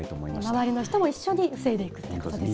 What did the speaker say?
周りの人も一緒に防いでいくということですよね。